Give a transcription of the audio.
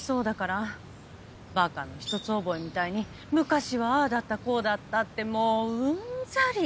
馬鹿の一つ覚えみたいに昔はああだったこうだったってもううんざり！